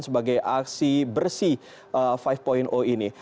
sebagai aksi bersih lima ini